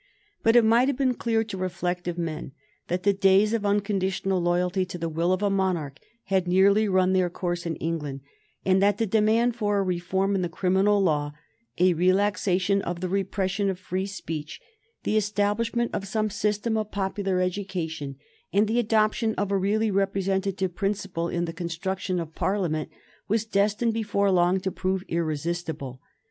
But it might have been clear to reflective men that the days of unconditional loyalty to the will of a monarch had nearly run their course in England, and that the demand for a reform in the criminal law, a relaxation of the repression of free speech, the establishment of some system of popular education, and the adoption of a really representative principle in the construction of Parliament was destined before long to prove irresistible.